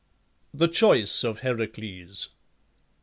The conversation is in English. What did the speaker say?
THE CHOICE OF HERACLES.